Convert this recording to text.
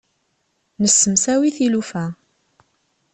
Nessemsawi tilufa.